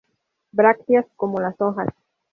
Brácteas como las hojas.